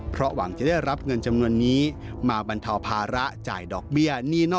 เพราะหวังจะได้รับเงินจำนวนนี้